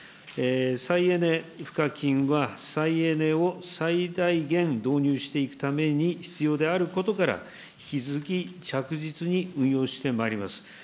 再エネ賦課金は再エネを最大限、導入していくために必要であることから、引き続き着実に運用してまいります。